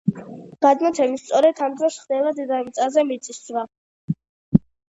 გადმოცემით, სწორედ ამ დროს ხდება დედამიწაზე მიწისძვრა.